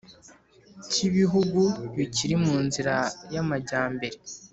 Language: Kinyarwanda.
cy Ibihugu Bikiri mu Nzira y Amajyambere